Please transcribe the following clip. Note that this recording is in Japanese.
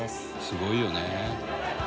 「すごいよね」